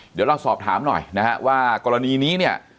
เดี๋ยวเราสอบถามหน่อยนะฮะว่ากรณีนี้เนี่ย